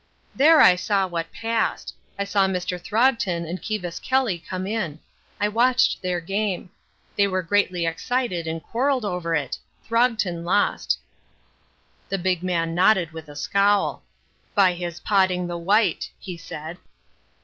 "There I saw what passed. I saw Mr. Throgton and Kivas Kelly come in. I watched their game. They were greatly excited and quarrelled over it. Throgton lost." The big man nodded with a scowl. "By his potting the white," he said.